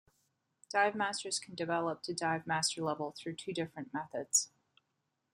Divemasters can develop to Divemaster level through two different methods.